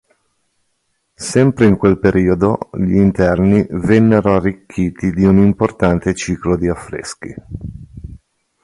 Sempre in quel periodo gli interni vennero arricchiti di un importante ciclo di affreschi.